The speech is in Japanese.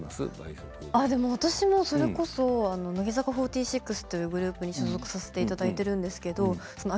私も、それこそ乃木坂４６というグループに所属させていただいているんですけど